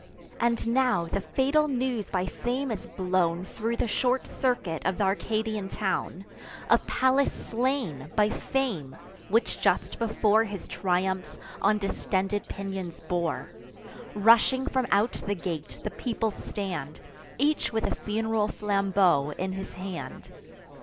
And now the fatal news by Fame is blown Thro' the short circuit of th' Arcadian town, Of Pallas slain—by Fame, which just before His triumphs on distended pinions bore. Rushing from out the gate, the people stand, Each with a fun'ral flambeau in his hand.